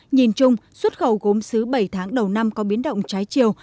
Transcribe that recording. nhìn chung xuất khẩu gốm xứ bảy tháng đầu năm có biến động trái chiều